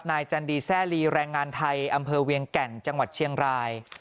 จันดีแซ่ลีแรงงานไทยอำเภอเวียงแก่นจังหวัดเชียงราย